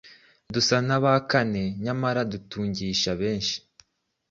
dusa n’abakene, nyamara dutungisha benshi,